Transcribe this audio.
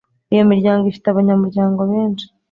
iyo miryango ifite abanyamuryango benshi